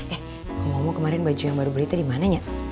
eh ngomong ngomong kemarin baju yang baru belitnya dimana ya